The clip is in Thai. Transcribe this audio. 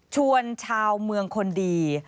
ชวนชาวเมืองคนดี